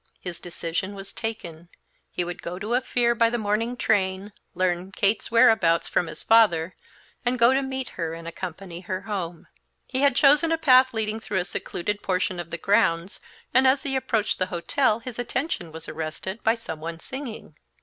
His decision was taken; he would go to Ophir by the morning train, learn Kate's whereabouts from his father, and go to meet her and accompany her home. He had chosen a path leading through a secluded portion of the grounds, and as he approached the hotel his attention was arrested by some one singing.